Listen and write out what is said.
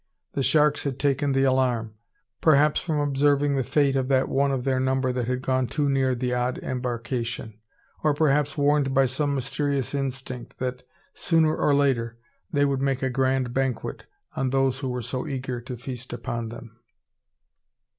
The sharks had taken the alarm; perhaps from observing the fate of that one of their number that had gone too near the odd embarkation; or, perhaps, warned by some mysterious instinct, that, sooner or later, they would make a grand banquet on those who were so eager to feast upon them.